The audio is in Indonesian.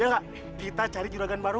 ya nggak kita cari juragan baru